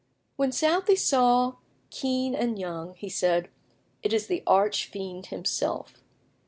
When Southey saw Kean and Young, he said, "It is the arch fiend himself."